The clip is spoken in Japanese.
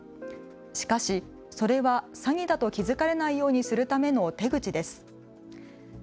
しかし、それは詐欺だと気付かれないようにするための手口です。